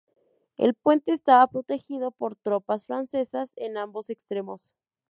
El puente estaba protegido por tropas francesas en ambos extremos.